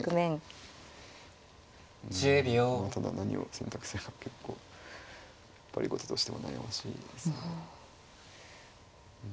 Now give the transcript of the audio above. うんただ何を選択するか結構やっぱり後手としても悩ましいですね。